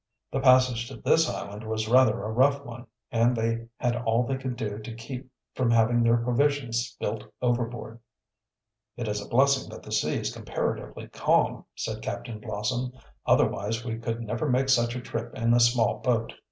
The passage to this island was rather a rough one, and they had all they could do to keep from having their provisions spilt overboard. "It is a blessing that the sea is comparatively calm," said Captain Blossom. "Otherwise we could never make such a trip in a small boat."